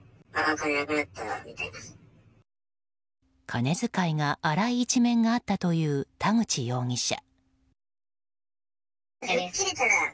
金遣いが荒い一面があったという田口容疑者。